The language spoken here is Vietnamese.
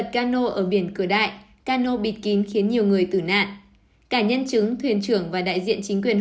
các bạn hãy đăng ký kênh để ủng hộ kênh của chúng mình nhé